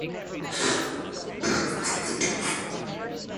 He has competed in three Olympic Games.